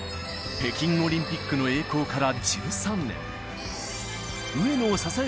北京オリンピックの栄光から１３年。